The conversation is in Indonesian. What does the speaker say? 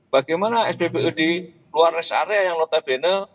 bagaimana spbu di luar rest area yang notabene